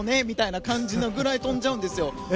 みたいな感じで跳んじゃうんですよ。